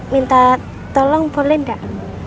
minta tolong boleh gak